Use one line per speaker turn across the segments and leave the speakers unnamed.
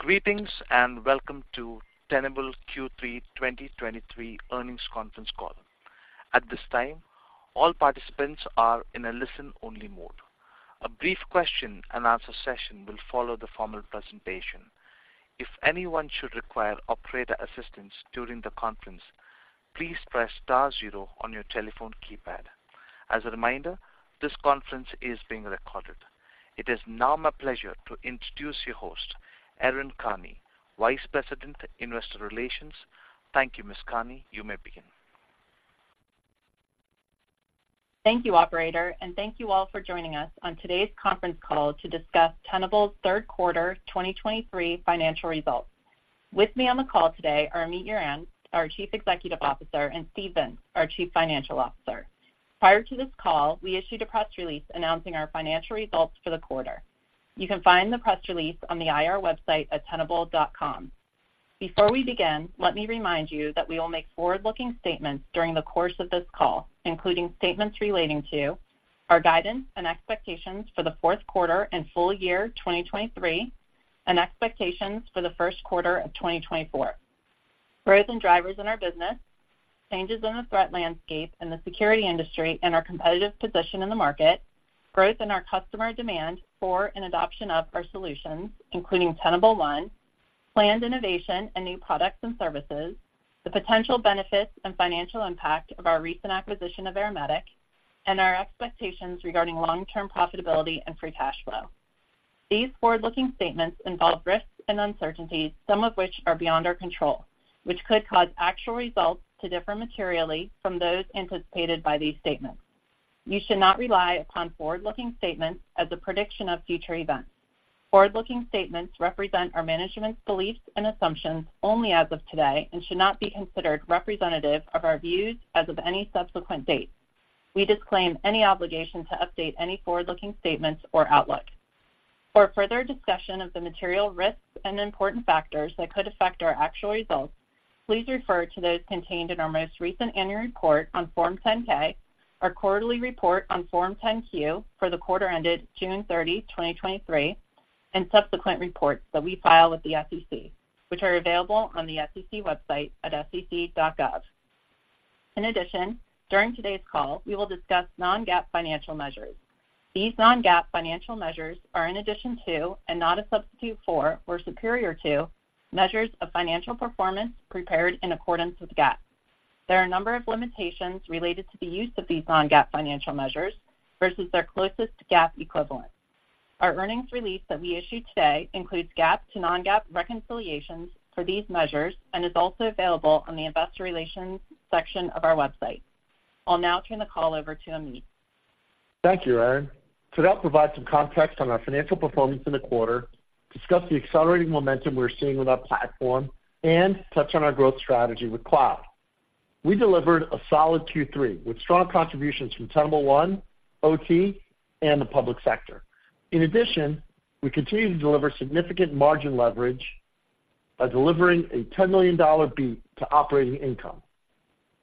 Greetings, and welcome to Tenable Q3 2023 Earnings Conference Call. At this time, all participants are in a listen-only mode. A brief question-and-answer session will follow the formal presentation. If anyone should require operator assistance during the conference, please press star zero on your telephone keypad. As a reminder, this conference is being recorded. It is now my pleasure to introduce your host, Erin Karney, Vice President, Investor Relations. Thank you, Ms. Karney. You may begin.
Thank you, Operator, and thank you all for joining us on today's conference call to discuss Tenable's third quarter 2023 financial results. With me on the call today are Amit Yoran, our Chief Executive Officer, and Steve Vintz, our Chief Financial Officer. Prior to this call, we issued a press release announcing our financial results for the quarter. You can find the press release on the IR website at tenable.com. Before we begin, let me remind you that we will make forward-looking statements during the course of this call, including statements relating to our guidance and expectations for the fourth quarter and full year 2023, and expectations for the first quarter of 2024, growth and drivers in our business, changes in the threat landscape and the security industry, and our competitive position in the market, growth in our customer demand for and adoption of our solutions, including Tenable One, planned innovation and new products and services, the potential benefits and financial impact of our recent acquisition of Ermetic, and our expectations regarding long-term profitability and free cash flow. These forward-looking statements involve risks and uncertainties, some of which are beyond our control, which could cause actual results to differ materially from those anticipated by these statements. You should not rely upon forward-looking statements as a prediction of future events. Forward-looking statements represent our management's beliefs and assumptions only as of today and should not be considered representative of our views as of any subsequent date. We disclaim any obligation to update any forward-looking statements or outlook. For further discussion of the material risks and important factors that could affect our actual results, please refer to those contained in our most recent annual report on Form 10-K, our quarterly report on Form 10-Q for the quarter ended June 30, 2023, and subsequent reports that we file with the SEC, which are available on the SEC website at sec.gov. In addition, during today's call, we will discuss non-GAAP financial measures. These non-GAAP financial measures are in addition to, and not a substitute for or superior to, measures of financial performance prepared in accordance with GAAP. There are a number of limitations related to the use of these non-GAAP financial measures versus their closest GAAP equivalent. Our earnings release that we issued today includes GAAP to non-GAAP reconciliations for these measures and is also available on the investor relations section of our website. I'll now turn the call over to Amit.
Thank you, Erin. Today, I'll provide some context on our financial performance in the quarter, discuss the accelerating momentum we're seeing with our platform, and touch on our growth strategy with cloud. We delivered a solid Q3, with strong contributions from Tenable One, OT, and the public sector. In addition, we continue to deliver significant margin leverage by delivering a $10 million beat to operating income.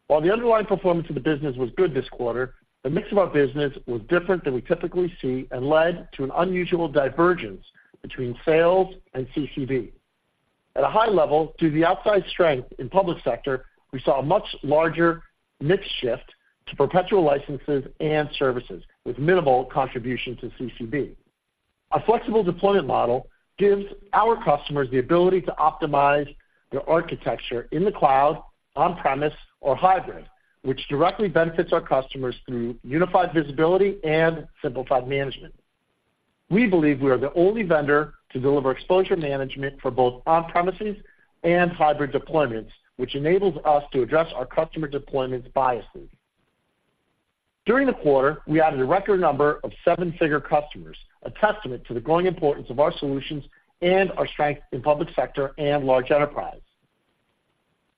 While the underlying performance of the business was good this quarter, the mix of our business was different than we typically see and led to an unusual divergence between sales and CCB. At a high level, due to the outside strength in public sector, we saw a much larger mix shift to perpetual licenses and services, with minimal contribution to CCB. A flexible deployment model gives our customers the ability to optimize their architecture in the cloud, on-premises, or hybrid, which directly benefits our customers through unified visibility and simplified management. We believe we are the only vendor to deliver Exposure Management for both on-premises and hybrid deployments, which enables us to address our customer deployments biases. During the quarter, we added a record number of seven-figure customers, a testament to the growing importance of our solutions and our strength in public sector and large enterprise.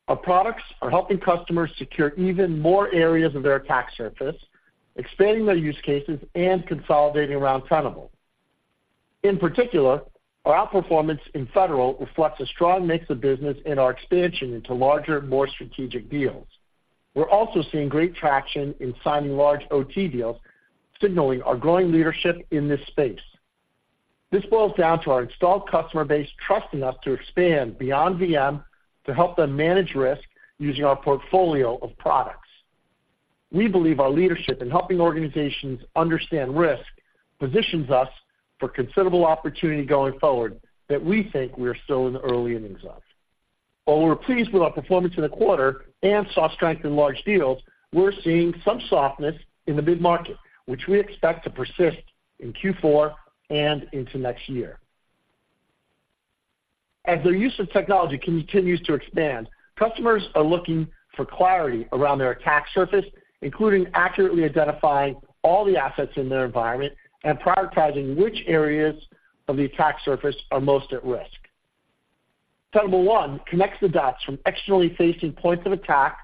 Our products are helping customers secure even more areas of their attack surface, expanding their use cases and consolidating around Tenable. In particular, our outperformance in federal reflects a strong mix of business and our expansion into larger, more strategic deals. We're also seeing great traction in signing large OT deals, signaling our growing leadership in this space. This boils down to our installed customer base trusting us to expand beyond VM to help them manage risk using our portfolio of products. We believe our leadership in helping organizations understand risk positions us for considerable opportunity going forward that we think we are still in the early innings of. While we're pleased with our performance in the quarter and saw strength in large deals, we're seeing some softness in the mid-market, which we expect to persist in Q4 and into next year. As their use of technology continues to expand, customers are looking for clarity around their attack surface, including accurately identifying all the assets in their environment and prioritizing which areas of the attack surface are most at risk. Tenable One connects the dots from externally facing points of attack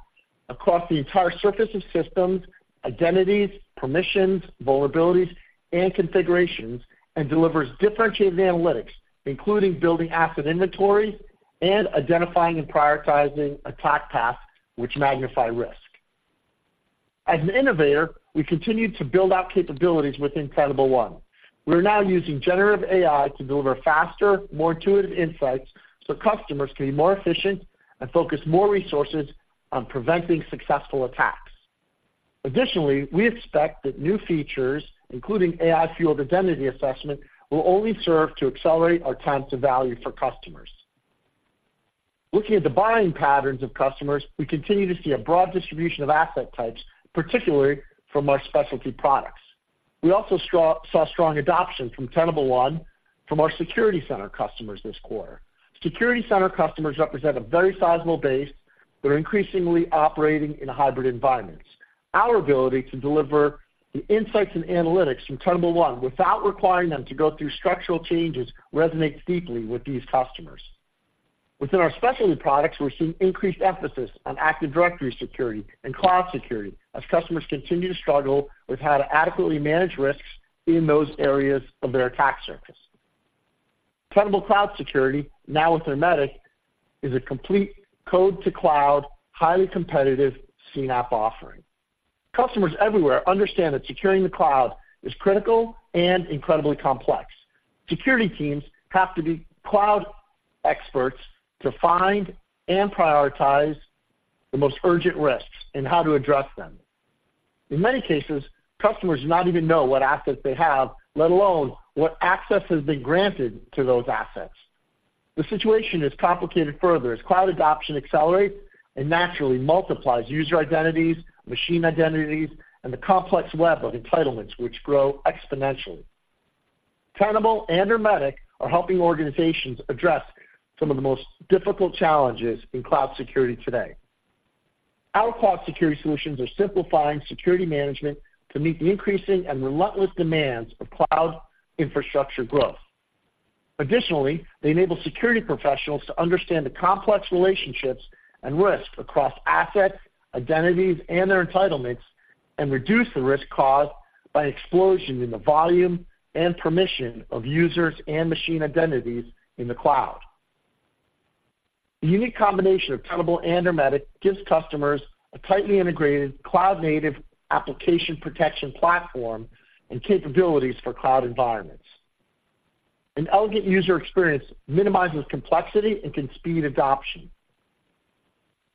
across the entire surface of systems, identities, permissions, vulnerabilities, and configurations, and delivers differentiated analytics, including building asset inventory and identifying and prioritizing attack paths which magnify risk. As an innovator, we continued to build out capabilities with Tenable One. We're now using generative AI to deliver faster, more intuitive insights, so customers can be more efficient and focus more resources on preventing successful attacks. Additionally, we expect that new features, including AI-fueled identity assessment, will only serve to accelerate our time to value for customers. Looking at the buying patterns of customers, we continue to see a broad distribution of asset types, particularly from our specialty products. We also saw strong adoption from Tenable One from our Security Center customers this quarter. Security Center customers represent a very sizable base that are increasingly operating in hybrid environments. Our ability to deliver the insights and analytics from Tenable One without requiring them to go through structural changes resonates deeply with these customers. Within our specialty products, we're seeing increased emphasis on Active Directory security and cloud security as customers continue to struggle with how to adequately manage risks in those areas of their attack surface. Tenable Cloud Security, now with Ermetic, is a complete code-to-cloud, highly competitive CNAPP offering. Customers everywhere understand that securing the cloud is critical and incredibly complex. Security teams have to be cloud experts to find and prioritize the most urgent risks and how to address them. In many cases, customers do not even know what assets they have, let alone what access has been granted to those assets. The situation is complicated further as cloud adoption accelerates and naturally multiplies user identities, machine identities, and the complex web of entitlements, which grow exponentially. Tenable and Ermetic are helping organizations address some of the most difficult challenges in cloud security today. Our cloud security solutions are simplifying security management to meet the increasing and relentless demands of cloud infrastructure growth. Additionally, they enable security professionals to understand the complex relationships and risks across assets, identities, and their entitlements, and reduce the risk caused by an explosion in the volume and permission of users and machine identities in the cloud. The unique combination of Tenable and Ermetic gives customers a tightly integrated, cloud-native application protection platform and capabilities for cloud environments. An elegant user experience minimizes complexity and can speed adoption.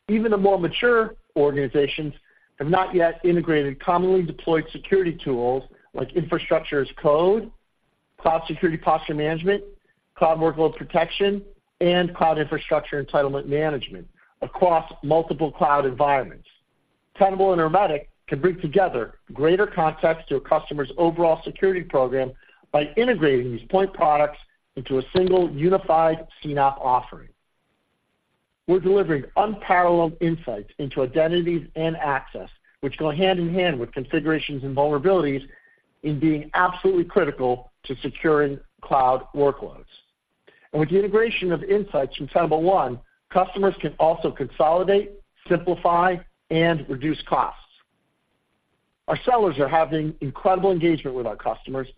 Even the more mature organizations have not yet integrated commonly deployed security tools like Infrastructure as Code, Cloud Security Posture Management, Cloud Workload Protection, and cloud infrastructure entitlement management across multiple cloud environments. Tenable and Ermetic can bring together greater context to a customer's overall security program by integrating these point products into a single, unified CNAPP offering. We're delivering unparalleled insights into identities and access, which go hand-in-hand with configurations and vulnerabilities in being absolutely critical to securing cloud workloads. With the integration of insights from Tenable One, customers can also consolidate, simplify, and reduce costs. Our sellers are having incredible engagement with our customers.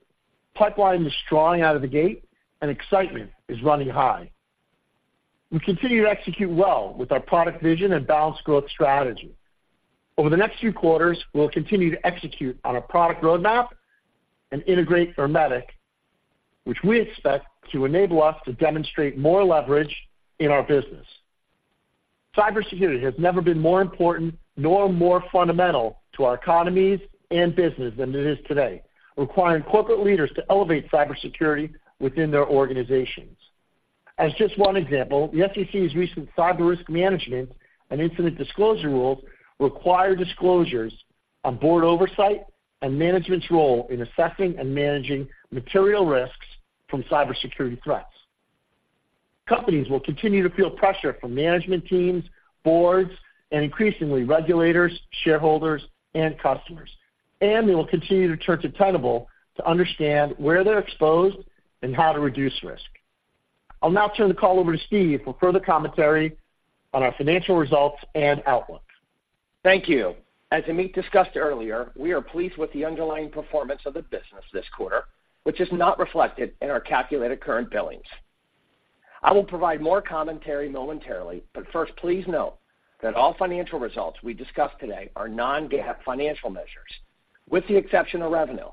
Pipeline is strong out of the gate, and excitement is running high. We continue to execute well with our product vision and balanced growth strategy. Over the next few quarters, we'll continue to execute on our product roadmap and integrate Ermetic, which we expect to enable us to demonstrate more leverage in our business. Cybersecurity has never been more important nor more fundamental to our economies and business than it is today, requiring corporate leaders to elevate cybersecurity within their organizations. As just one example, the SEC's recent cyber risk management and incident disclosure rules require disclosures on board oversight and management's role in assessing and managing material risks from cybersecurity threats. Companies will continue to feel pressure from management teams, boards, and increasingly, regulators, shareholders, and customers, and they will continue to turn to Tenable to understand where they're exposed and how to reduce risk. I'll now turn the call over to Steve for further commentary on our financial results and outlook.
Thank you. As Amit discussed earlier, we are pleased with the underlying performance of the business this quarter, which is not reflected in our calculated current billings. I will provide more commentary momentarily, but first, please note that all financial results we discuss today are non-GAAP financial measures, with the exception of revenue.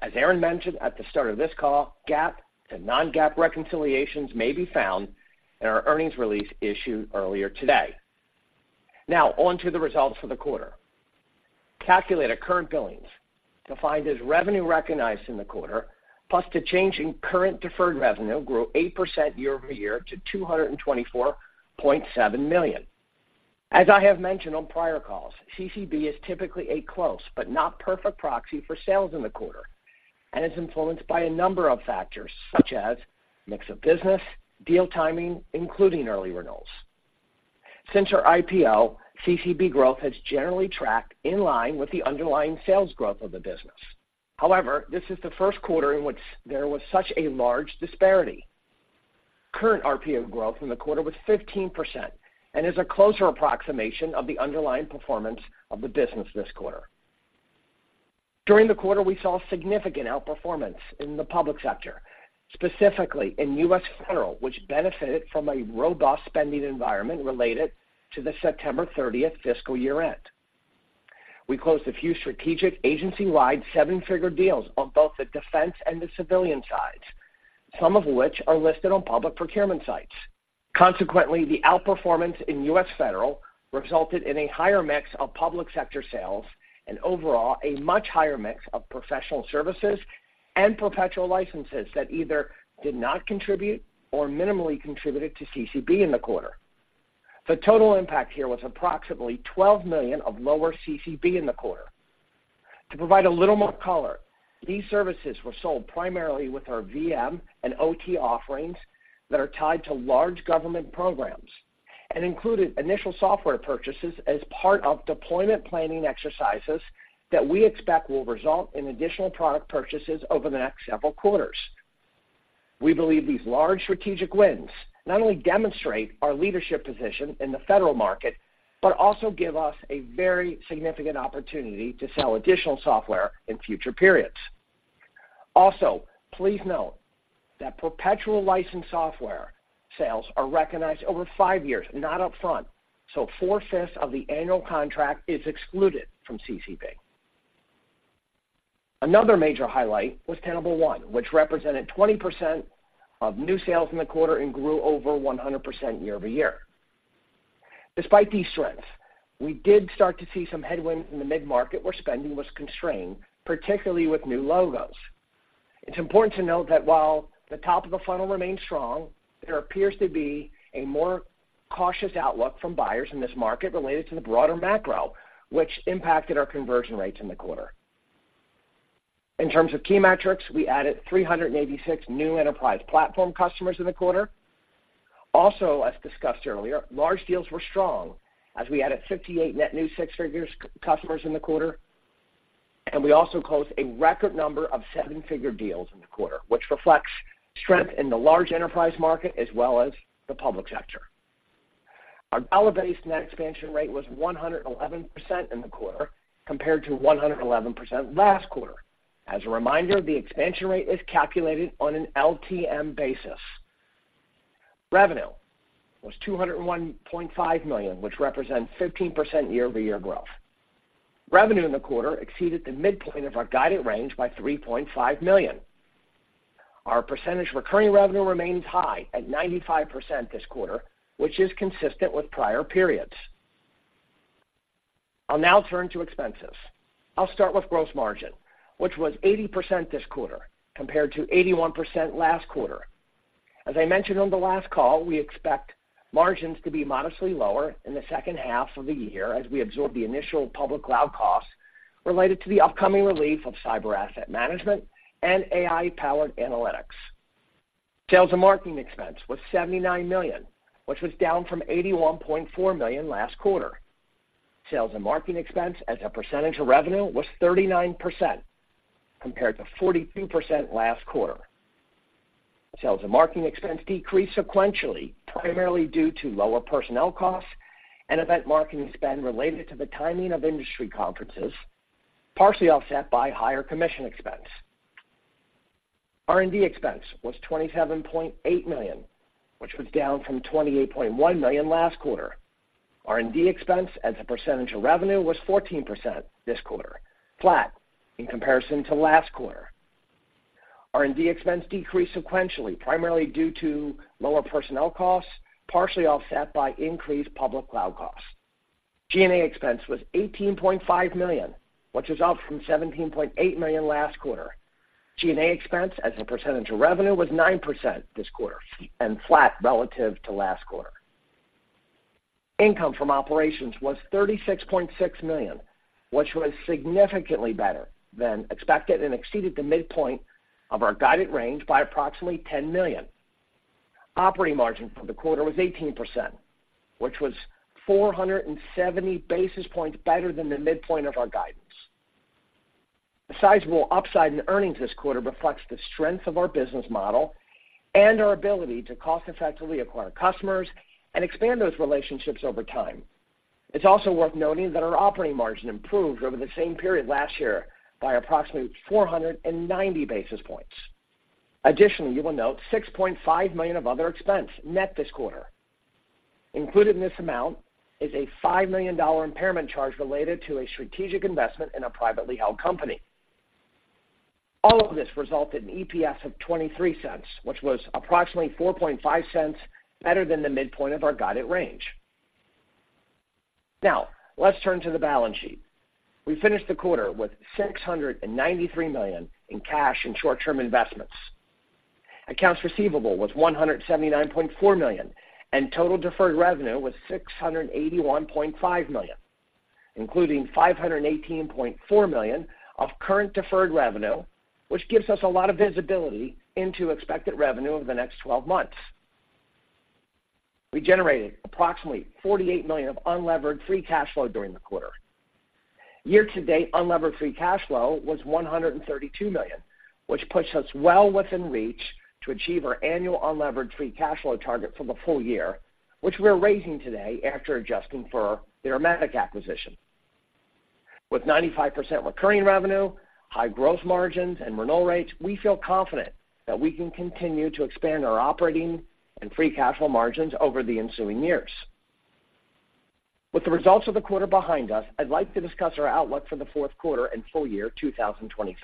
As Erin mentioned at the start of this call, GAAP to non-GAAP reconciliations may be found in our earnings release issued earlier today. Now, on to the results for the quarter. Calculated current billings, defined as revenue recognized in the quarter, plus the change in current deferred revenue, grew 8% year-over-year to $224.7 million. As I have mentioned on prior calls, CCB is typically a close, but not perfect proxy for sales in the quarter, and is influenced by a number of factors, such as mix of business, deal timing, including early renewals. Since our IPO, CCB growth has generally tracked in line with the underlying sales growth of the business. However, this is the first quarter in which there was such a large disparity. Current RPO growth in the quarter was 15% and is a closer approximation of the underlying performance of the business this quarter. During the quarter, we saw significant outperformance in the public sector, specifically in U.S. Federal, which benefited from a robust spending environment related to the September 30th fiscal year-end. We closed a few strategic agency-wide seven-figure deals on both the defense and the civilian sides, some of which are listed on public procurement sites. Consequently, the outperformance in U.S. Federal resulted in a higher mix of public sector sales and overall, a much higher mix of professional services and perpetual licenses that either did not contribute or minimally contributed to CCB in the quarter. The total impact here was approximately $12 million of lower CCB in the quarter. To provide a little more color, these services were sold primarily with our VM and OT offerings that are tied to large government programs, and included initial software purchases as part of deployment planning exercises that we expect will result in additional product purchases over the next several quarters. We believe these large strategic wins not only demonstrate our leadership position in the federal market, but also give us a very significant opportunity to sell additional software in future periods. Also, please note that perpetual license software sales are recognized over five years, not upfront, so 4/5 of the annual contract is excluded from CCB. Another major highlight was Tenable One, which represented 20% of new sales in the quarter and grew over 100% year-over-year. Despite these strengths, we did start to see some headwinds in the mid-market, where spending was constrained, particularly with new logos. It's important to note that while the top of the funnel remains strong, there appears to be a more cautious outlook from buyers in this market related to the broader macro, which impacted our conversion rates in the quarter. In terms of key metrics, we added 386 new enterprise platform customers in the quarter. Also, as discussed earlier, large deals were strong as we added 58 net new six-figures customers in the quarter, and we also closed a record number of seven-figure deals in the quarter, which reflects strength in the large enterprise market as well as the public sector. Our dollar-based net expansion rate was 111% in the quarter, compared to 111% last quarter. As a reminder, the expansion rate is calculated on an LTM basis. Revenue was $201.5 million, which represents 15% year-over-year growth. Revenue in the quarter exceeded the midpoint of our guided range by $3.5 million. Our percentage recurring revenue remains high at 95% this quarter, which is consistent with prior periods. I'll now turn to expenses. I'll start with gross margin, which was 80% this quarter, compared to 81% last quarter. As I mentioned on the last call, we expect margins to be modestly lower in the second half of the year as we absorb the initial public cloud costs related to the upcoming release of cyber asset management and AI-powered analytics. Sales and marketing expense was $79 million, which was down from $81.4 million last quarter. Sales and marketing expense as a percentage of revenue was 39%, compared to 42% last quarter. Sales and marketing expense decreased sequentially, primarily due to lower personnel costs and event marketing spend related to the timing of industry conferences, partially offset by higher commission expense. R&D expense was $27.8 million, which was down from $28.1 million last quarter. R&D expense as a percentage of revenue was 14% this quarter, flat in comparison to last quarter. R&D expense decreased sequentially, primarily due to lower personnel costs, partially offset by increased public cloud costs. G&A expense was $18.5 million, which is up from $17.8 million last quarter. G&A expense as a percentage of revenue was 9% this quarter, and flat relative to last quarter. Income from operations was $36.6 million, which was significantly better than expected and exceeded the midpoint of our guided range by approximately $10 million. Operating margin for the quarter was 18%, which was 470 basis points better than the midpoint of our guidance. The sizable upside in earnings this quarter reflects the strength of our business model and our ability to cost-effectively acquire customers and expand those relationships over time. It's also worth noting that our operating margin improved over the same period last year by approximately 490 basis points. Additionally, you will note $6.5 million of other expense net this quarter. Included in this amount is a $5 million impairment charge related to a strategic investment in a privately held company. All of this resulted in EPS of $0.23, which was approximately $0.045 better than the midpoint of our guided range. Now, let's turn to the balance sheet. We finished the quarter with $693 million in cash and short-term investments. Accounts receivable was $179.4 million, and total deferred revenue was $681.5 million, including $518.4 million of current deferred revenue, which gives us a lot of visibility into expected revenue over the next 12 months. We generated approximately $48 million of unlevered free cash flow during the quarter. Year to date, unlevered free cash flow was $132 million, which puts us well within reach to achieve our annual unlevered free cash flow target for the full year, which we are raising today after adjusting for the Ermetic acquisition. With 95% recurring revenue, high gross margins, and renewal rates, we feel confident that we can continue to expand our operating and free cash flow margins over the ensuing years. With the results of the quarter behind us, I'd like to discuss our outlook for the fourth quarter and full year 2023,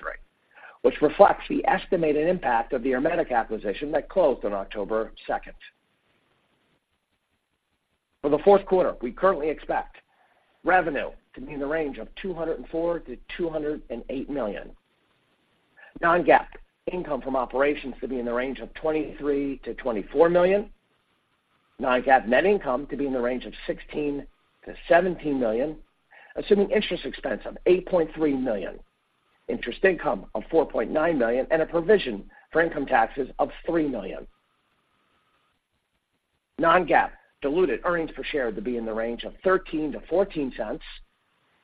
which reflects the estimated impact of the Ermetic acquisition that closed on October 2nd. For the fourth quarter, we currently expect revenue to be in the range of $204 million-$208 million. Non-GAAP income from operations to be in the range of $23 million-$24 million. Non-GAAP net income to be in the range of $16 million-$17 million, assuming interest expense of $8.3 million, interest income of $4.9 million, and a provision for income taxes of $3 million. Non-GAAP diluted earnings per share to be in the range of $0.13-$0.14,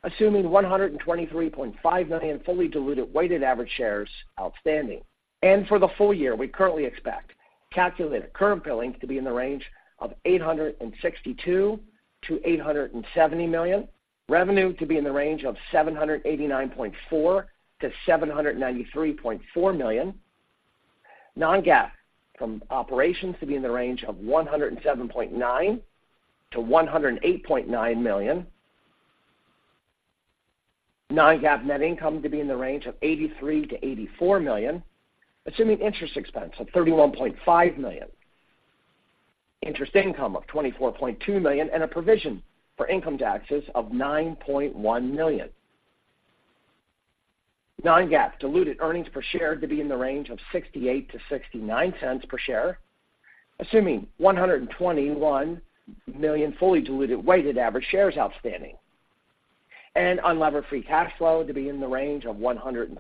assuming 123.5 million fully diluted weighted average shares outstanding. And for the full year, we currently expect calculated current billings to be in the range of $862 million-$870 million. Revenue to be in the range of $789.4 million-$793.4 million. Non-GAAP income from operations to be in the range of $107.9 million-$108.9 million. Non-GAAP net income to be in the range of $83 million-$84 million, assuming interest expense of $31.5 million, interest income of $24.2 million, and a provision for income taxes of $9.1 million. Non-GAAP diluted earnings per share to be in the range of $0.68-$0.69 per share, assuming 121 million fully diluted weighted average shares outstanding. Unlevered free cash flow to be in the range of $168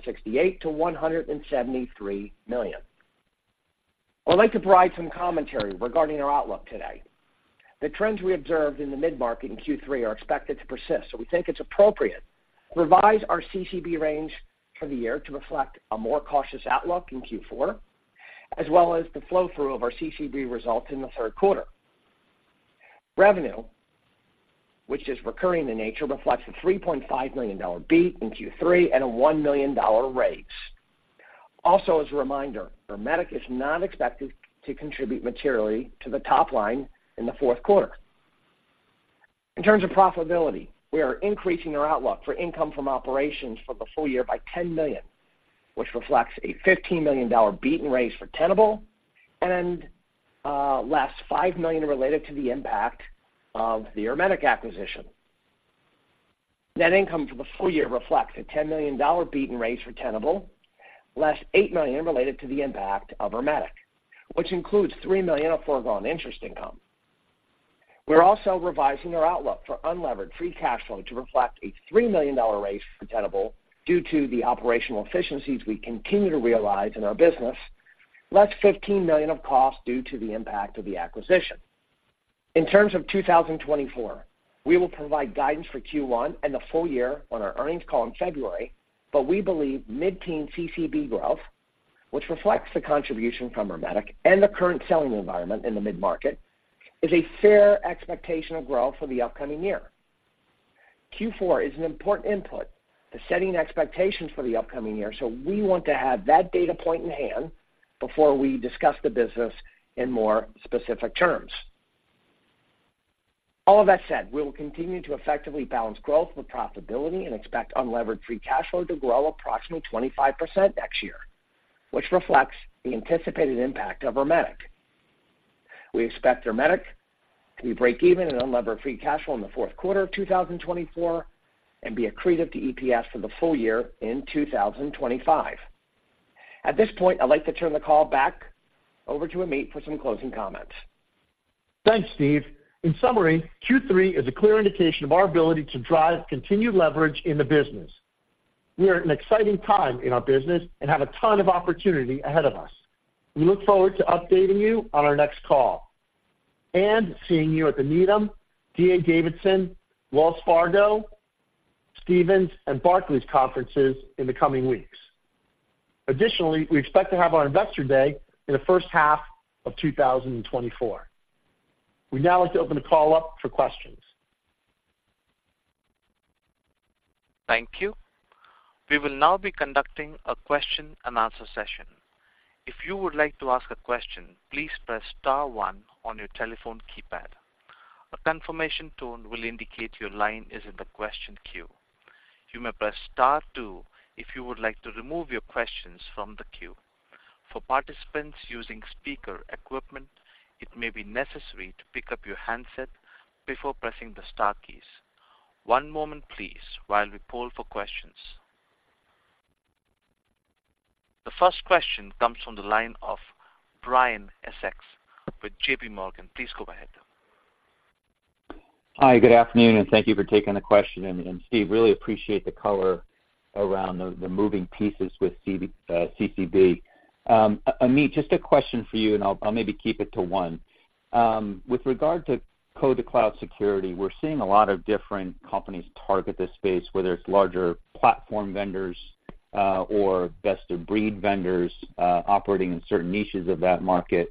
million-$173 million. I'd like to provide some commentary regarding our outlook today. The trends we observed in the mid-market in Q3 are expected to persist, so we think it's appropriate to revise our CCB range for the year to reflect a more cautious outlook in Q4, as well as the flow-through of our CCB results in the third quarter. Revenue, which is recurring in nature, reflects a $3.5 million beat in Q3 and a $1 million raise. Also, as a reminder, Ermetic is not expected to contribute materially to the top line in the fourth quarter. In terms of profitability, we are increasing our outlook for income from operations for the full year by $10 million, which reflects a $15 million beat and raise for Tenable, and less $5 million related to the impact of the Ermetic acquisition. Net income for the full year reflects a $10 million beat and raise for Tenable, less $8 million related to the impact of Ermetic, which includes $3 million of foregone interest income. We're also revising our outlook for unlevered free cash flow to reflect a $3 million raise for Tenable due to the operational efficiencies we continue to realize in our business, less $15 million of costs due to the impact of the acquisition. In terms of 2024, we will provide guidance for Q1 and the full year on our earnings call in February, but we believe mid-teen CCB growth, which reflects the contribution from Ermetic and the current selling environment in the mid-market, is a fair expectation of growth for the upcoming year. Q4 is an important input to setting expectations for the upcoming year, so we want to have that data point in hand before we discuss the business in more specific terms. All of that said, we will continue to effectively balance growth with profitability and expect unlevered free cash flow to grow approximately 25% next year, which reflects the anticipated impact of Ermetic. We expect Ermetic to be breakeven in unlevered free cash flow in the fourth quarter of 2024 and be accretive to EPS for the full year in 2025. At this point, I'd like to turn the call back over to Amit for some closing comments.
Thanks, Steve. In summary, Q3 is a clear indication of our ability to drive continued leverage in the business. We are at an exciting time in our business and have a ton of opportunity ahead of us. We look forward to updating you on our next call and seeing you at the Needham, D.A. Davidson, Wells Fargo, Stephens, and Barclays conferences in the coming weeks. Additionally, we expect to have our Investor Day in the first half of 2024. We'd now like to open the call up for questions.
Thank you. We will now be conducting a question-and-answer session. If you would like to ask a question, please press star one on your telephone keypad. A confirmation tone will indicate your line is in the question queue. You may press star two if you would like to remove your questions from the queue. For participants using speaker equipment, it may be necessary to pick up your handset before pressing the star keys. One moment, please, while we poll for questions. The first question comes from the line of Brian Essex with JP Morgan. Please go ahead.
Hi, good afternoon, and thank you for taking the question. And Steve, really appreciate the color around the moving pieces with CB, CCB. Amit, just a question for you, and I'll maybe keep it to one. With regard to code to cloud security, we're seeing a lot of different companies target this space, whether it's larger platform vendors or best-of-breed vendors operating in certain niches of that market.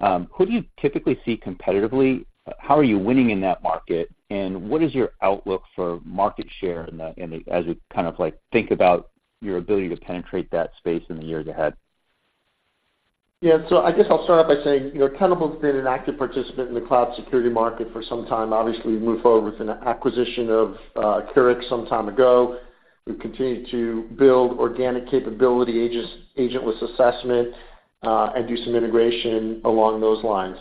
Who do you typically see competitively? How are you winning in that market? And what is your outlook for market share in the, as you kind of, like, think about your ability to penetrate that space in the years ahead?
Yeah. So I guess I'll start off by saying, you know, Tenable's been an active participant in the cloud security market for some time. Obviously, we moved forward with an acquisition of Accurics some time ago. We've continued to build organic capability, agentless assessment, and do some integration along those lines.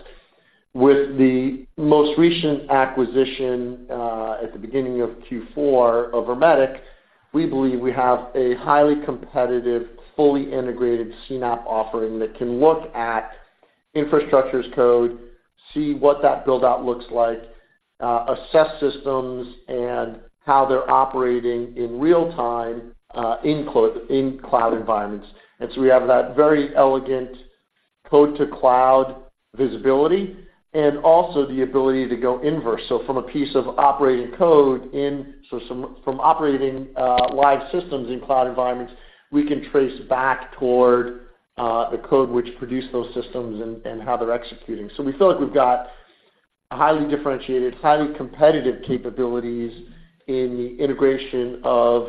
With the most recent acquisition at the beginning of Q4 of Ermetic, we believe we have a highly competitive, fully integrated CNAPP offering that can look at Infrastructure as Code, see what that build-out looks like, assess systems and how they're operating in real time in cloud environments. And so we have that very elegant code-to-cloud visibility and also the ability to go inverse. So from a piece of operating code in... So some from operating, live systems in cloud environments, we can trace back toward, the code which produced those systems and, and how they're executing. So we feel like we've got highly differentiated, highly competitive capabilities in the integration of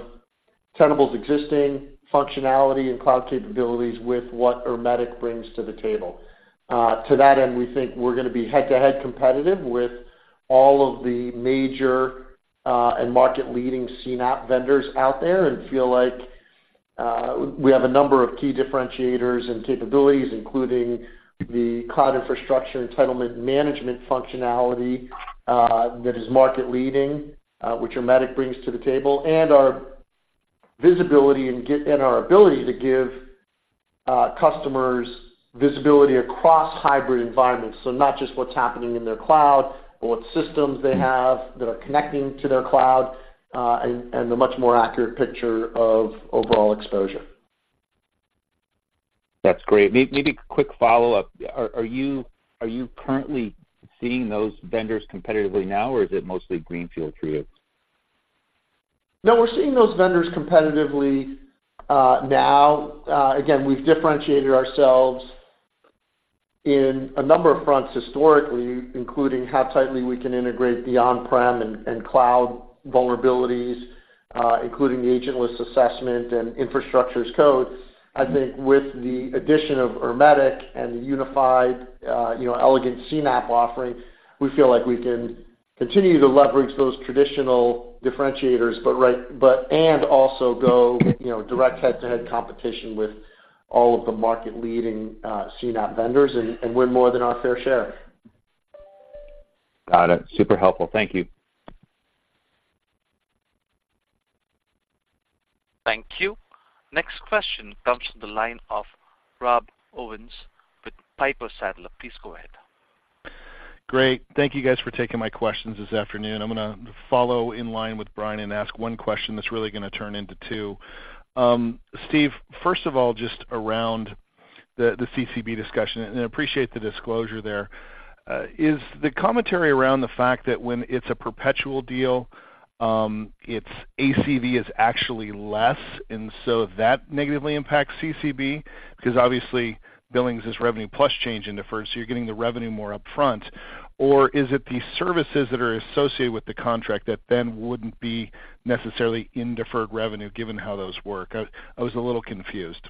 Tenable's existing functionality and cloud capabilities with what Ermetic brings to the table. To that end, we think we're gonna be head-to-head competitive with all of the major, and market-leading CNAPP vendors out there, and feel like, we have a number of key differentiators and capabilities, including the cloud infrastructure entitlement management functionality, that is market leading, which Ermetic brings to the table, and our visibility and and our ability to give, customers visibility across hybrid environments. So not just what's happening in their cloud, but what systems they have that are connecting to their cloud, and a much more accurate picture of overall exposure.
That's great. Maybe a quick follow-up. Are you currently seeing those vendors competitively now, or is it mostly greenfield trips?
No, we're seeing those vendors competitively now. Again, we've differentiated ourselves in a number of fronts historically, including how tightly we can integrate the on-prem and cloud vulnerabilities, including the agentless assessment and Infrastructure as Code. I think with the addition of Ermetic and the unified, you know, elegant CNAPP offering, we feel like we can continue to leverage those traditional differentiators, but and also go, you know, direct head-to-head competition with all of the market-leading CNAPP vendors and win more than our fair share.
Got it. Super helpful. Thank you.
Thank you. Next question comes from the line of Rob Owens with Piper Sandler. Please go ahead.
Great. Thank you guys for taking my questions this afternoon. I'm gonna follow in line with Brian and ask one question that's really gonna turn into two. Steve, first of all, just around the CCB discussion, and I appreciate the disclosure there. Is the commentary around the fact that when it's a perpetual deal, its ACV is actually less, and so that negatively impacts CCB? Because obviously, billings is revenue plus change in deferred, so you're getting the revenue more upfront. Or is it the services that are associated with the contract that then wouldn't be necessarily in deferred revenue, given how those work? I was a little confused.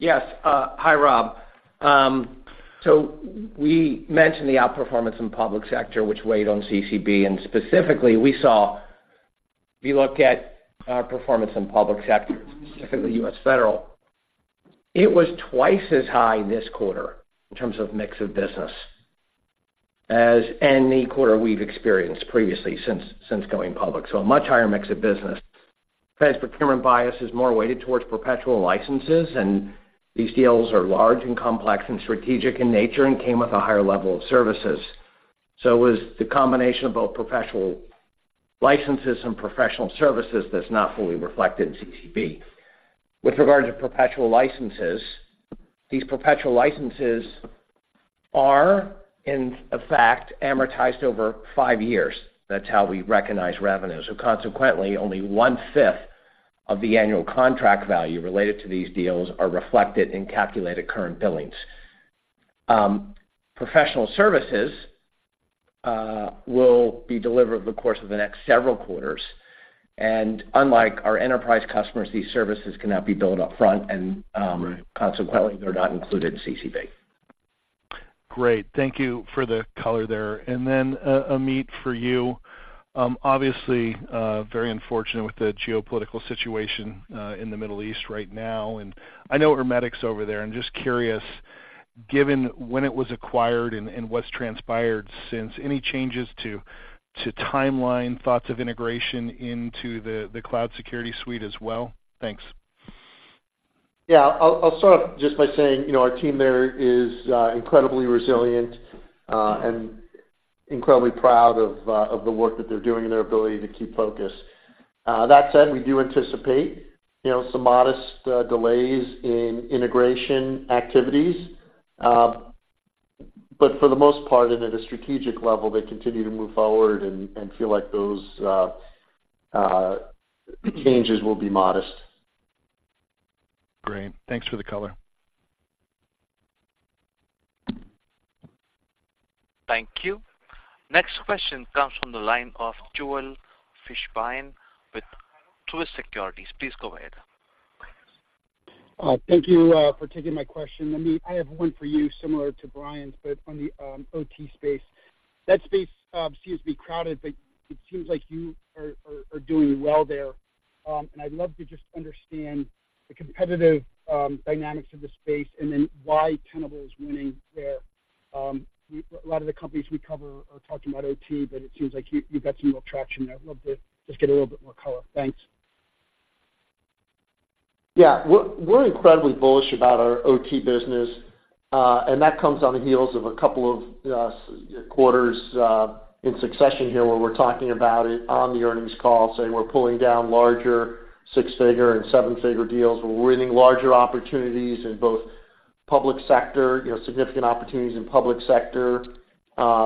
Yes. Hi, Rob. So we mentioned the outperformance in public sector, which weighed on CCB, and specifically, we saw. If you look at our performance in public sector, specifically U.S. Federal, it was twice as high this quarter in terms of mix of business as any quarter we've experienced previously since going public. So a much higher mix of business. Federal procurement bias is more weighted towards perpetual licenses, and these deals are large and complex and strategic in nature and came with a higher level of services. So it was the combination of both professional licenses and professional services that's not fully reflected in CCB. With regard to perpetual licenses, these perpetual licenses are, in fact, amortized over five years. That's how we recognize revenue. So consequently, only 1/5 of the annual contract value related to these deals are reflected in calculated current billings. Professional services will be delivered over the course of the next several quarters, and unlike our enterprise customers, these services cannot be billed upfront, and
Right...
consequently, they're not included in CCB.
Great. Thank you for the color there. And then, Amit, for you. Obviously, very unfortunate with the geopolitical situation in the Middle East right now, and I know Ermetic's over there. I'm just curious, given when it was acquired and what's transpired since, any changes to timeline, thoughts of integration into the cloud security suite as well? Thanks.
Yeah. I'll start off just by saying, you know, our team there is incredibly resilient and incredibly proud of the work that they're doing and their ability to keep focused. That said, we do anticipate, you know, some modest delays in integration activities. But for the most part, and at a strategic level, they continue to move forward and feel like those changes will be modest.
Great. Thanks for the color.
Thank you. Next question comes from the line of Joel Fishbein with Truist Securities. Please go ahead.
Thank you for taking my question. Amit, I have one for you, similar to Brian's, but on the OT space. That space seems to be crowded, but it seems like you are doing well there. And I'd love to just understand the competitive dynamics of the space, and then why Tenable is winning there. A lot of the companies we cover are talking about OT, but it seems like you've got some real traction there. I'd love to just get a little bit more color. Thanks.
Yeah. We're incredibly bullish about our OT business, and that comes on the heels of a couple of several quarters in succession here, where we're talking about it on the earnings call, saying we're pulling down larger six-figure and seven-figure deals. We're winning larger opportunities in both public sector, you know, significant opportunities in public sector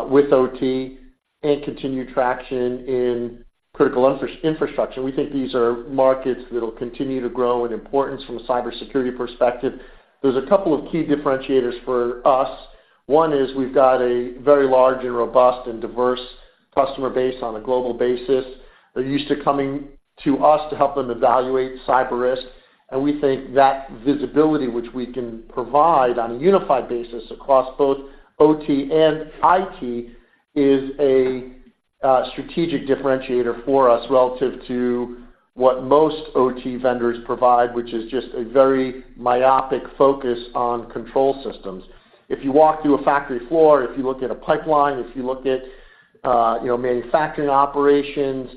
with OT, and continued traction in critical infrastructure. We think these are markets that'll continue to grow in importance from a cybersecurity perspective. There's a couple of key differentiators for us. One is we've got a very large and robust and diverse customer base on a global basis. They're used to coming to us to help them evaluate cyber risk, and we think that visibility, which we can provide on a unified basis across both OT and IT, is a strategic differentiator for us relative to what most OT vendors provide, which is just a very myopic focus on control systems. If you walk through a factory floor, if you look at a pipeline, if you look at, you know, manufacturing operations,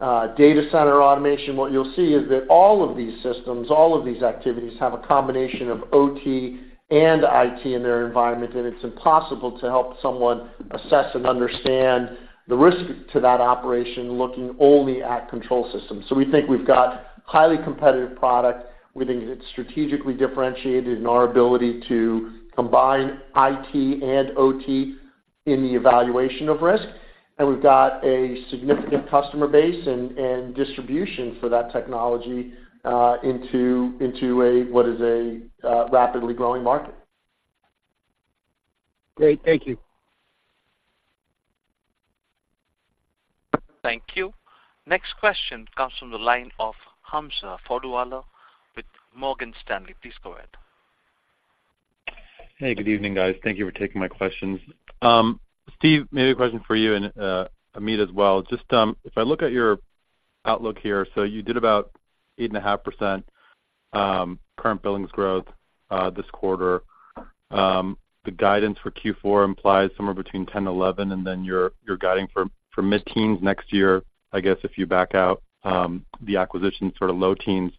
data center automation, what you'll see is that all of these systems, all of these activities, have a combination of OT and IT in their environment, and it's impossible to help someone assess and understand the risk to that operation, looking only at control systems. So we think we've got highly competitive product. We think it's strategically differentiated in our ability to combine IT and OT in the evaluation of risk. We've got a significant customer base and distribution for that technology into what is a rapidly growing market.
Great. Thank you.
Thank you. Next question comes from the line of Hamza Fodderwala with Morgan Stanley. Please go ahead.
Hey, good evening, guys. Thank you for taking my questions. Steve, maybe a question for you and, Amit as well. Just, if I look at your outlook here, so you did about 8.5%, current billings growth, this quarter. The guidance for Q4 implies somewhere between 10-11, and then you're guiding for mid-teens next year. I guess if you back out, the acquisition sort of low teens.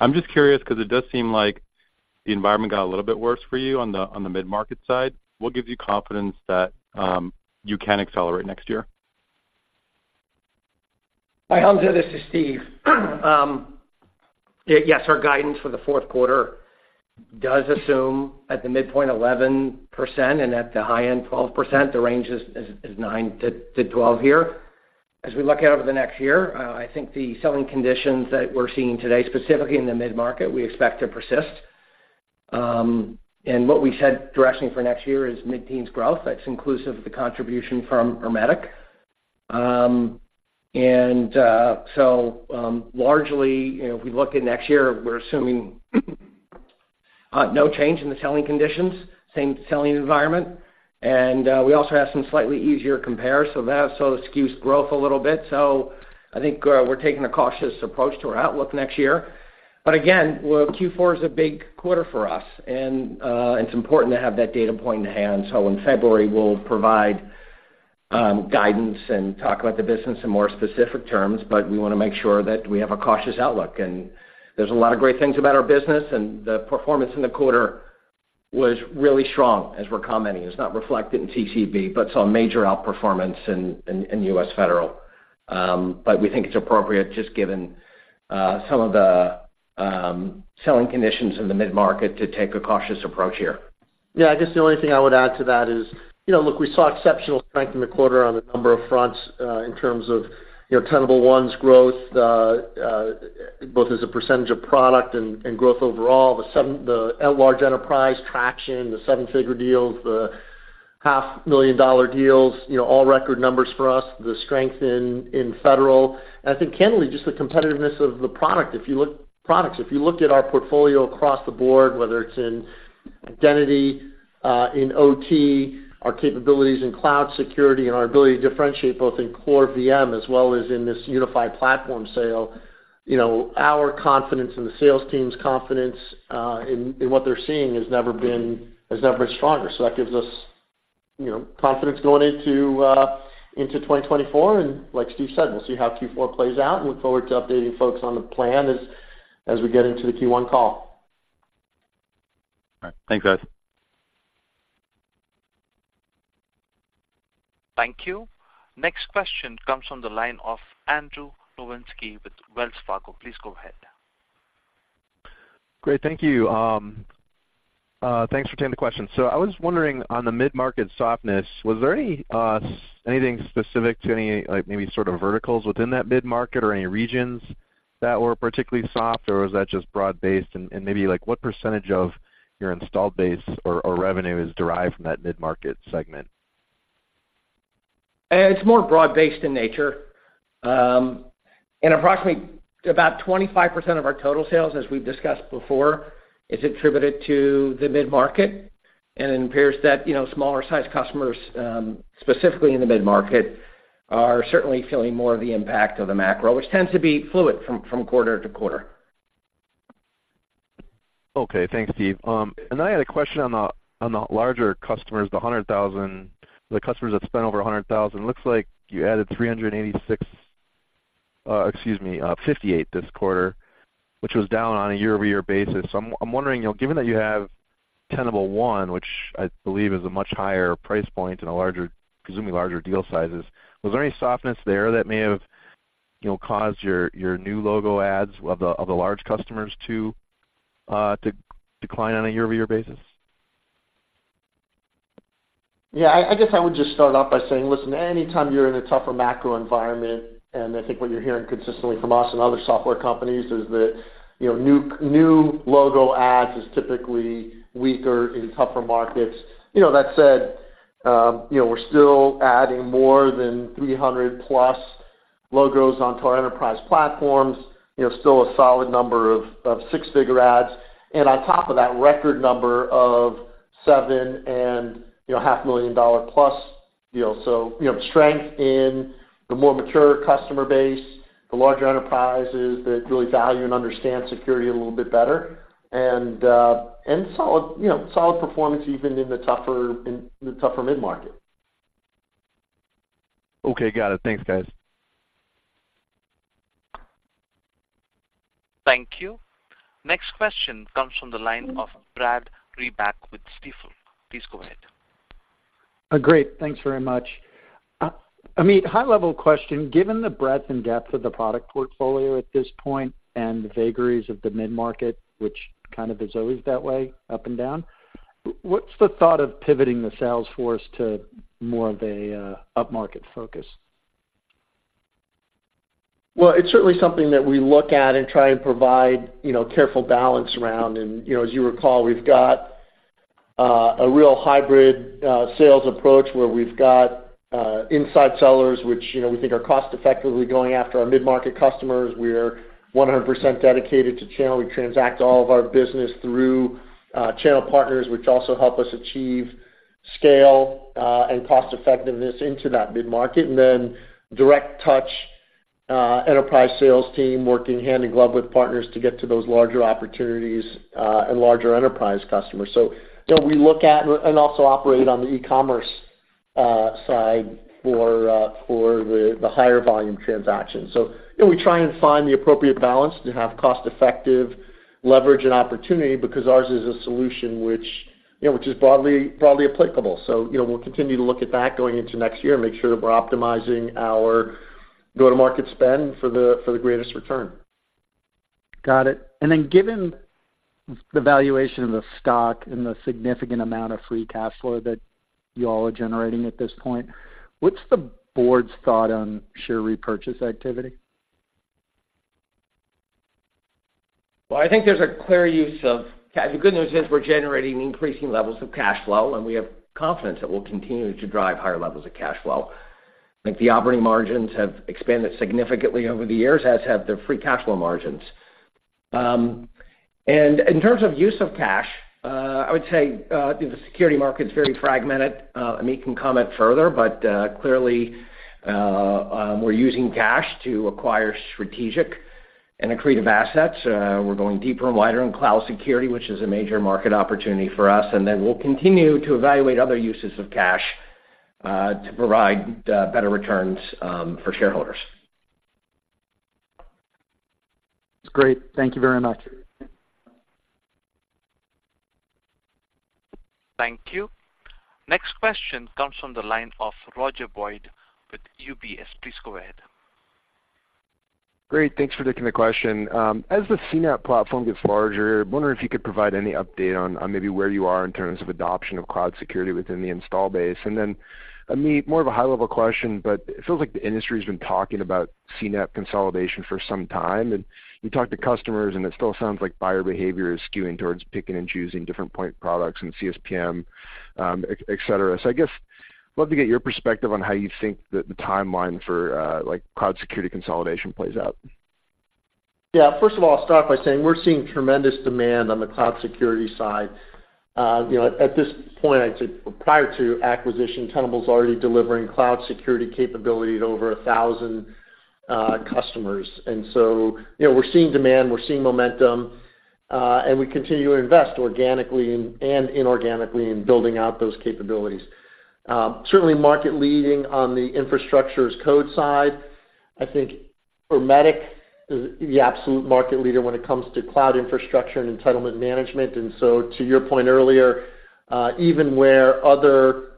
I'm just curious because it does seem like the environment got a little bit worse for you on the mid-market side. What gives you confidence that you can accelerate next year?
Hi, Hamza, this is Steve. Yeah, yes, our guidance for the fourth quarter does assume at the midpoint 11%, and at the high end, 12%, the range is 9%-12% here. As we look out over the next year, I think the selling conditions that we're seeing today, specifically in the mid-market, we expect to persist. And what we said directionally for next year is mid-teens growth. That's inclusive of the contribution from Ermetic. And, so, largely, you know, if we look at next year, we're assuming no change in the selling conditions, same selling environment. And we also have some slightly easier compares, so that sort of skews growth a little bit. So I think we're taking a cautious approach to our outlook next year. But again, well, Q4 is a big quarter for us, and it's important to have that data point in hand. So in February, we'll provide guidance and talk about the business in more specific terms, but we want to make sure that we have a cautious outlook. And there's a lot of great things about our business, and the performance in the quarter was really strong, as we're commenting. It's not reflected in CCB, but saw a major outperformance in U.S. Federal. But we think it's appropriate, just given some of the selling conditions in the mid-market, to take a cautious approach here.
Yeah, I guess the only thing I would add to that is, you know, look, we saw exceptional strength in the quarter on a number of fronts, in terms of, you know, Tenable One's growth, both as a percentage of product and growth overall, the large enterprise traction, the seven-figure deals, the $500,000 deals, you know, all record numbers for us, the strength in federal. And I think candidly, just the competitiveness of the product. If you look at our portfolio across the board, whether it's in identity, in OT, our capabilities in cloud security and our ability to differentiate both in core VM as well as in this unified platform sale, you know, our confidence and the sales team's confidence, in what they're seeing has never been stronger. So that gives us, you know, confidence going into 2024. And like Steve said, we'll see how Q4 plays out and look forward to updating folks on the plan as we get into the Q1 call....
All right, thanks, guys.
Thank you. Next question comes from the line of Andrew Nowinski with Wells Fargo. Please go ahead.
Great. Thank you. Thanks for taking the question. I was wondering, on the mid-market softness, was there anything specific to any, like, maybe sort of verticals within that mid-market or any regions that were particularly soft, or was that just broad-based? And maybe like, what percentage of your installed base or revenue is derived from that mid-market segment?
It's more broad-based in nature. And approximately about 25% of our total sales, as we've discussed before, is attributed to the mid-market. And it appears that, you know, smaller-sized customers, specifically in the mid-market, are certainly feeling more of the impact of the macro, which tends to be fluid from quarter to quarter.
Okay. Thanks, Steve. And I had a question on the larger customers, the $100,000—the customers that spent over $100,000. It looks like you added 386, excuse me, 58 this quarter, which was down on a year-over-year basis. So I'm wondering, you know, given that you have Tenable One, which I believe is a much higher price point and a larger, presumably larger deal sizes, was there any softness there that may have, you know, caused your new logo adds of the large customers to decline on a year-over-year basis?
Yeah, I guess I would just start off by saying, listen, anytime you're in a tougher macro environment, and I think what you're hearing consistently from us and other software companies is that, you know, new logo adds is typically weaker in tougher markets. You know, that said, you know, we're still adding more than 300+ logos onto our enterprise platforms. You know, still a solid number of six-figure adds, and on top of that, record number of seven-and a half-million-dollar-plus deals. So, you know, strength in the more mature customer base, the larger enterprises that really value and understand security a little bit better, and solid, you know, solid performance even in the tougher mid-market.
Okay, got it. Thanks, guys.
Thank you. Next question comes from the line of Brad Reback with Stifel. Please go ahead.
Great. Thanks very much. Amit, high-level question: Given the breadth and depth of the product portfolio at this point, and the vagaries of the mid-market, which kind of is always that way, up and down, what's the thought of pivoting the sales force to more of a upmarket focus?
Well, it's certainly something that we look at and try and provide, you know, careful balance around. And, you know, as you recall, we've got a real hybrid sales approach, where we've got inside sellers, which, you know, we think are cost effectively going after our mid-market customers. We're 100% dedicated to channel. We transact all of our business through channel partners, which also help us achieve scale and cost effectiveness into that mid-market. And then direct touch enterprise sales team, working hand in glove with partners to get to those larger opportunities and larger enterprise customers. So, you know, we look at and also operate on the e-commerce side for the higher volume transactions. So, you know, we try and find the appropriate balance to have cost-effective leverage and opportunity because ours is a solution which, you know, which is broadly, broadly applicable. So, you know, we'll continue to look at that going into next year and make sure that we're optimizing our go-to-market spend for the greatest return.
Got it. And then given the valuation of the stock and the significant amount of free cash flow that you all are generating at this point, what's the board's thought on share repurchase activity?
Well, I think there's a clear use of cash. The good news is we're generating increasing levels of cash flow, and we have confidence that we'll continue to drive higher levels of cash flow. I think the operating margins have expanded significantly over the years, as have the free cash flow margins. And in terms of use of cash, I would say, the security market's very fragmented. Amit can comment further, but, clearly, we're using cash to acquire strategic and accretive assets. We're going deeper and wider in cloud security, which is a major market opportunity for us, and then we'll continue to evaluate other uses of cash, to provide, better returns, for shareholders.
That's great. Thank you very much.
Thank you. Next question comes from the line of Roger Boyd with UBS. Please go ahead.
Great. Thanks for taking the question. As the CNAPP platform gets larger, I'm wondering if you could provide any update on, on maybe where you are in terms of adoption of cloud security within the install base. And then, Amit, more of a high-level question, but it feels like the industry's been talking about CNAPP consolidation for some time, and you talk to customers, and it still sounds like buyer behavior is skewing towards picking and choosing different point products and CSPM, et cetera. So I guess, love to get your perspective on how you think the, the timeline for, like, cloud security consolidation plays out.
Yeah. First of all, I'll start by saying we're seeing tremendous demand on the cloud security side. You know, at this point, I'd say prior to acquisition, Tenable's already delivering cloud security capability to over 1,000 customers. And so, you know, we're seeing demand, we're seeing momentum, and we continue to invest organically and inorganically in building out those capabilities. Certainly market leading on the Infrastructure as Code side. I think Ermetic is the absolute market leader when it comes to cloud infrastructure and entitlement management. And so to your point earlier, even where other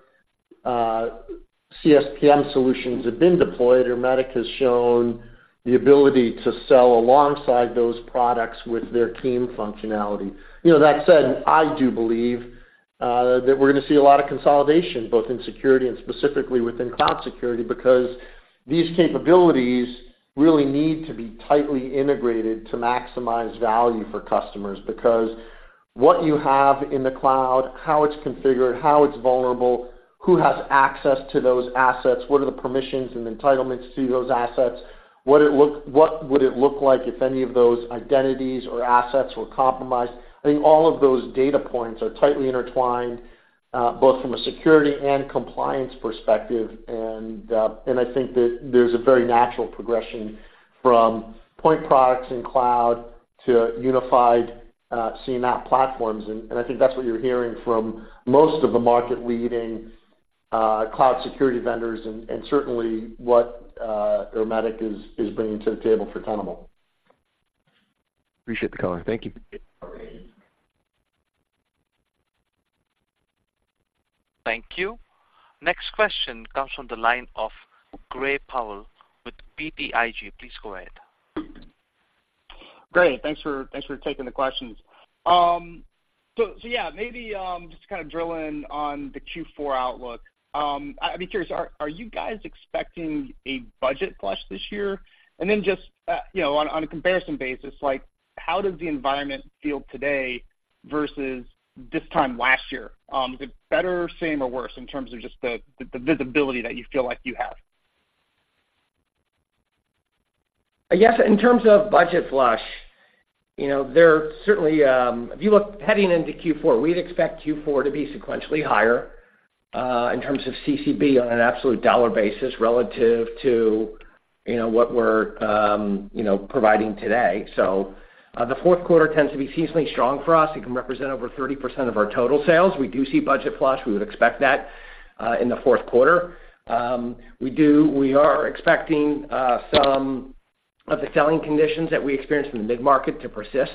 CSPM solutions have been deployed, Ermetic has shown the ability to sell alongside those products with their CIEM functionality. You know, that said, I do believe that we're gonna see a lot of consolidation, both in security and specifically within cloud security, because these capabilities really need to be tightly integrated to maximize value for customers. Because what you have in the cloud, how it's configured, how it's vulnerable, who has access to those assets, what are the permissions and entitlements to those assets? What would it look like if any of those identities or assets were compromised? I think all of those data points are tightly intertwined, both from a security and compliance perspective. And I think that there's a very natural progression from point products in cloud to unified CNAPP platforms. And I think that's what you're hearing from most of the market-leading cloud security vendors, and certainly what Ermetic is bringing to the table for Tenable.
Appreciate the color. Thank you.
Thank you. Next question comes from the line of Gray Powell with BTIG. Please go ahead.
Gray, thanks for taking the questions. So yeah, maybe just to kind of drill in on the Q4 outlook. I'd be curious, are you guys expecting a budget flush this year? And then just, you know, on a comparison basis, like, how does the environment feel today versus this time last year? Is it better, same, or worse in terms of just the visibility that you feel like you have?
Yes, in terms of budget flush, you know, there certainly, if you look heading into Q4, we'd expect Q4 to be sequentially higher, in terms of CCB on an absolute dollar basis relative to, you know, what we're, you know, providing today. So, the fourth quarter tends to be seasonally strong for us. It can represent over 30% of our total sales. We do see budget flush. We would expect that, in the fourth quarter. We are expecting, some of the selling conditions that we experienced in the mid-market to persist.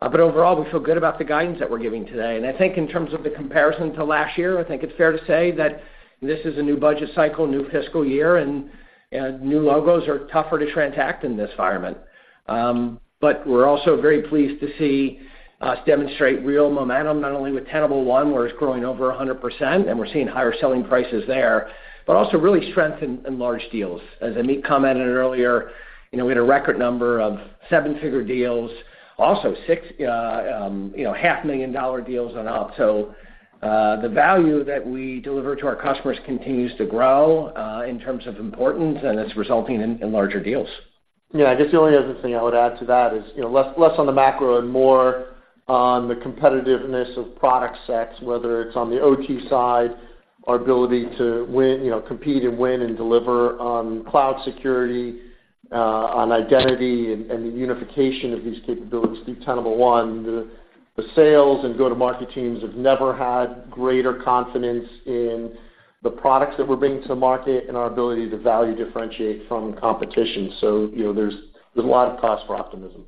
But overall, we feel good about the guidance that we're giving today. I think in terms of the comparison to last year, I think it's fair to say that this is a new budget cycle, new fiscal year, and new logos are tougher to transact in this environment. But we're also very pleased to see us demonstrate real momentum, not only with Tenable One, where it's growing over 100%, and we're seeing higher selling prices there, but also really strength in large deals. As Amit commented earlier, you know, we had a record number of seven-figure deals, also six $500,000 deals and up. So, the value that we deliver to our customers continues to grow in terms of importance, and it's resulting in larger deals.
Yeah, I guess the only other thing I would add to that is, you know, less, less on the macro and more on the competitiveness of product sets, whether it's on the OT side, our ability to win, you know, compete and win and deliver on cloud security, on identity and, and the unification of these capabilities through Tenable One. The, the sales and go-to-market teams have never had greater confidence in the products that we're bringing to market and our ability to value differentiate from competition. So, you know, there's, there's a lot of cause for optimism.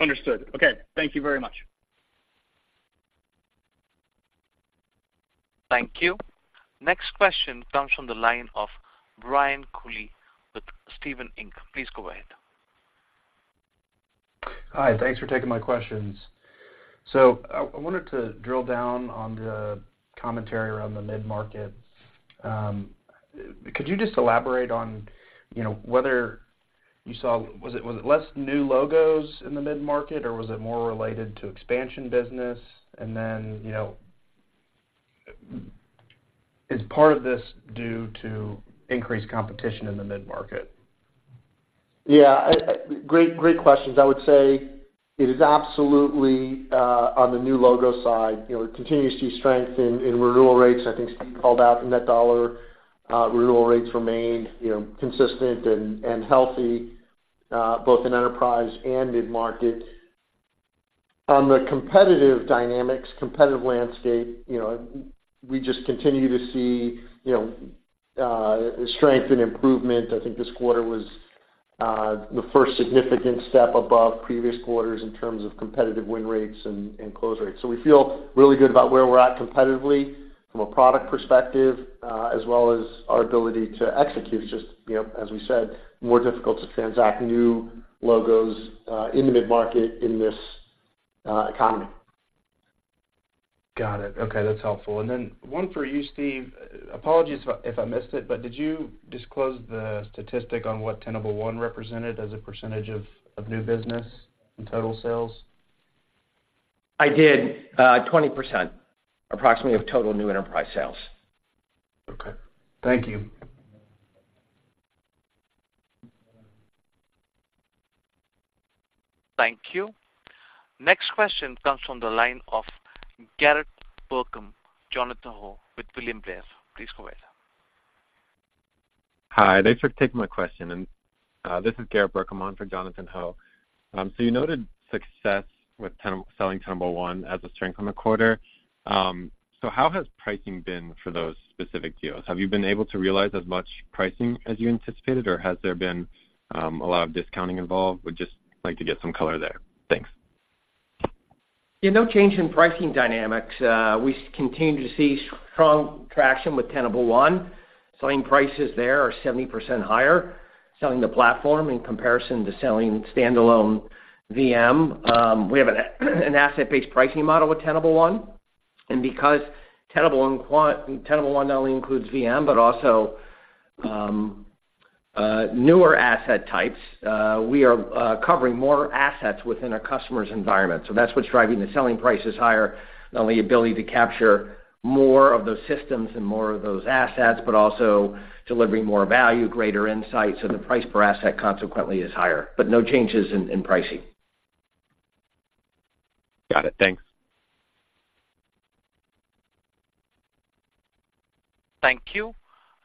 Understood. Okay. Thank you very much.
Thank you. Next question comes from the line of Brian Colley with Stephens Inc. Please go ahead.
Hi, thanks for taking my questions. So I, I wanted to drill down on the commentary around the mid-market. Could you just elaborate on, you know, whether you saw... Was it, was it less new logos in the mid-market, or was it more related to expansion business? And then, you know, is part of this due to increased competition in the mid-market?
Yeah, Great, great questions. I would say it is absolutely on the new logo side, you know, we continue to see strength in renewal rates. I think Steve called out net dollar. Renewal rates remain, you know, consistent and healthy, both in enterprise and mid-market. On the competitive dynamics, competitive landscape, you know, we just continue to see, you know, strength and improvement. I think this quarter was the first significant step above previous quarters in terms of competitive win rates and close rates. So we feel really good about where we're at competitively from a product perspective, as well as our ability to execute. It's just, you know, as we said, more difficult to transact new logos in the mid-market, in this economy.
Got it. Okay, that's helpful. And then one for you, Steve. Apologies if I, if I missed it, but did you disclose the statistic on what Tenable One represented as a percentage of, of new business in total sales?
I did, 20%, approximately, of total new enterprise sales.
Okay. Thank you.
Thank you. Next question comes from the line of Garrett Burcham, Jonathan Ho with William Blair. Please go ahead....
Hi, thanks for taking my question, and this is Garrett Burcham for Jonathan Ho. So you noted success with Tenable selling Tenable One as a strength on the quarter. So how has pricing been for those specific deals? Have you been able to realize as much pricing as you anticipated, or has there been a lot of discounting involved? Would just like to get some color there. Thanks.
Yeah, no change in pricing dynamics. We continue to see strong traction with Tenable One. Selling prices there are 70% higher, selling the platform in comparison to selling standalone VM. We have an asset-based pricing model with Tenable One, and because Tenable One not only includes VM, but also newer asset types, we are covering more assets within our customer's environment. So that's what's driving the selling prices higher, not only ability to capture more of those systems and more of those assets, but also delivering more value, greater insight, so the price per asset consequently is higher, but no changes in pricing.
Got it. Thanks.
Thank you.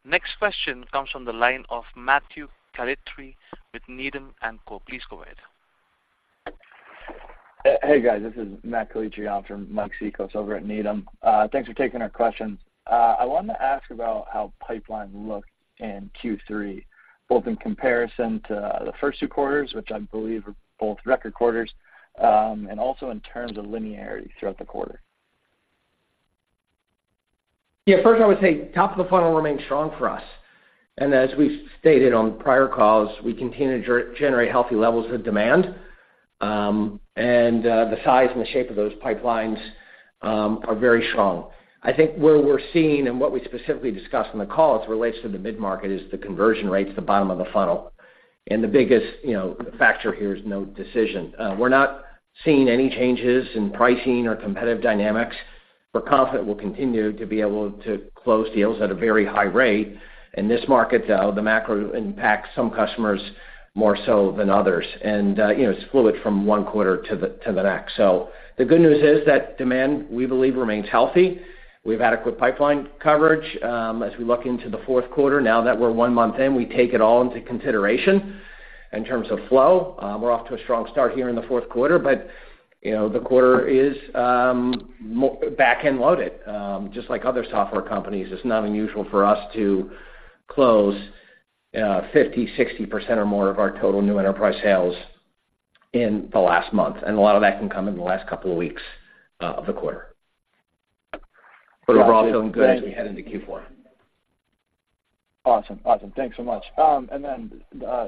Next question comes from the line of Matt Calitri with Needham & Co. Please go ahead.
Hey, guys, this is Matt Calitri. I'm from Mike Cikos over at Needham. Thanks for taking our questions. I wanted to ask about how pipeline looked in Q3, both in comparison to the first two quarters, which I believe were both record quarters, and also in terms of linearity throughout the quarter.
Yeah, first, I would say top of the funnel remains strong for us. And as we've stated on prior calls, we continue to generate healthy levels of demand, and the size and the shape of those pipelines are very strong. I think where we're seeing and what we specifically discussed on the call as it relates to the mid-market is the conversion rates at the bottom of the funnel. And the biggest, you know, factor here is no decision. We're not seeing any changes in pricing or competitive dynamics. We're confident we'll continue to be able to close deals at a very high rate. In this market, though, the macro impacts some customers more so than others, and, you know, it's fluid from one quarter to the next. So the good news is that demand, we believe, remains healthy. We've had adequate pipeline coverage. As we look into the fourth quarter, now that we're one month in, we take it all into consideration in terms of flow. We're off to a strong start here in the fourth quarter, but, you know, the quarter is back-end loaded. Just like other software companies, it's not unusual for us to close 50, 60% or more of our total new enterprise sales in the last month, and a lot of that can come in the last couple of weeks of the quarter. But we're also good as we head into Q4.
Awesome. Awesome. Thanks so much. And then,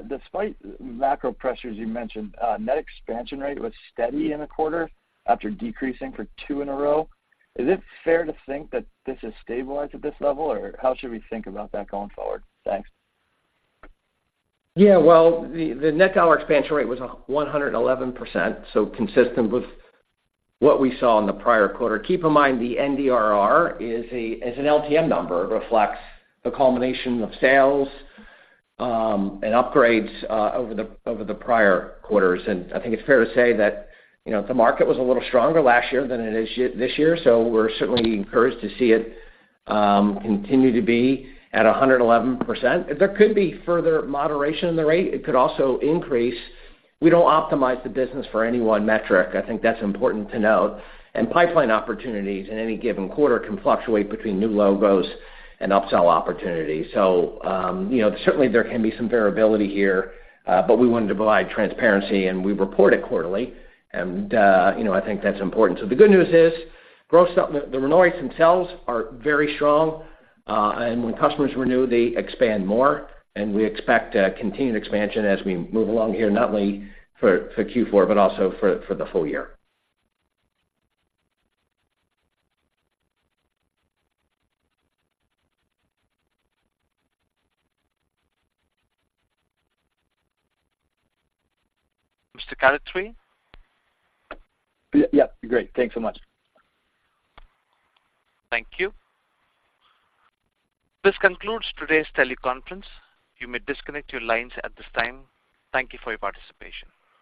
despite macro pressures you mentioned, net expansion rate was steady in the quarter after decreasing for two in a row. Is it fair to think that this is stabilized at this level, or how should we think about that going forward? Thanks.
Yeah, well, the net dollar expansion rate was 111%, so consistent with what we saw in the prior quarter. Keep in mind, the NDER is an LTM number, reflects the culmination of sales and upgrades over the prior quarters. And I think it's fair to say that, you know, the market was a little stronger last year than it is this year, so we're certainly encouraged to see it continue to be at 111%. There could be further moderation in the rate. It could also increase. We don't optimize the business for any one metric. I think that's important to note. And pipeline opportunities in any given quarter can fluctuate between new logos and upsell opportunities. So, you know, certainly there can be some variability here, but we wanted to provide transparency, and we report it quarterly, and, you know, I think that's important. So the good news is, growth, the renewal rates themselves are very strong, and when customers renew, they expand more, and we expect, continued expansion as we move along here, not only for Q4, but also for the full year.
Mr. Calitri?
Yeah, great. Thanks so much.
Thank you. This concludes today's teleconference. You may disconnect your lines at this time. Thank you for your participation.